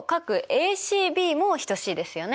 ＡＣＢも等しいですよね。